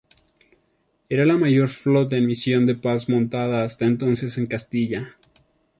Era la mayor flota en misión de paz montada hasta entonces en Castilla.